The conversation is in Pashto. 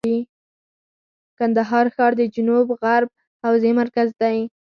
کندهار ښار د جنوب غرب حوزې مرکز دی.